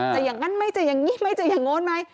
จะอย่างงั้นไม่จะอย่างนี้ไม่จะอย่างโง่นไม่